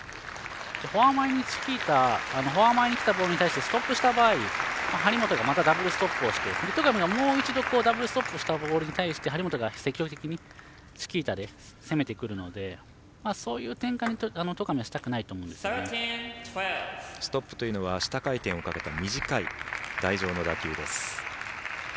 フォア前にチキータフォア前にきたボールに対してストップをした場合張本がまたダブルストップをして戸上がもう一度ダブルストップしたボールに対して張本が積極的にチキータで攻めてくるのでそういう展開に戸上はストップというのは下回転をかけた短い台上の打球です。